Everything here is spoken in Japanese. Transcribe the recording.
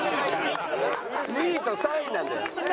２位と３位なんだよ。